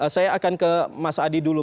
saya akan ke mas adi dulu